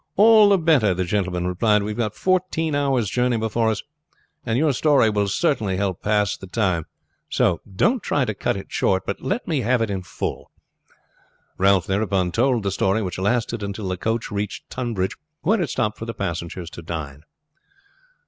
"All the better," the gentleman replied. "We have got fourteen hours journey before us, and your story will help pass the time; so don't try to cut it short, but let me have it in full." Ralph thereupon told the story, which lasted until the coach reached Tunbridge, where it stopped for the passengers to dine.